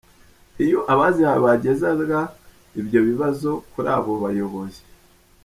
Iyo abazihawe bagezaga ibyo bibazo kuri abo bayobozi.